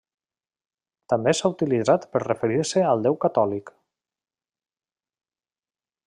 També s'ha utilitzat per referir-se al déu catòlic.